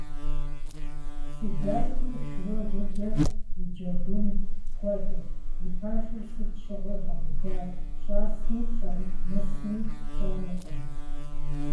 Си дэлъхур Шрёдингер и джэдум хуэдэщ: и пэшыр сыт щыгъуи гъэбыдащ, щӏэсми щӏэмысми пщӏэнукъым.